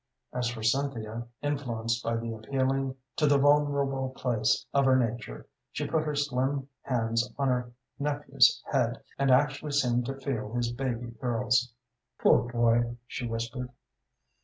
As for Cynthia, influenced by the appealing to the vulnerable place of her nature, she put her slim hands on her nephew's head, and actually seemed to feel his baby curls. "Poor boy," she whispered.